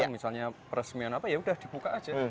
misalnya peresmian apa ya udah dibuka aja